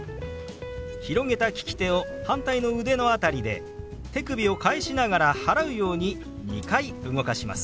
広げた利き手を反対の腕の辺りで手首を返しながら払うように２回動かします。